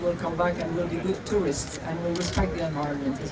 dan semoga akan kembali dan menjadi turis yang baik dan menghormati keadaan juga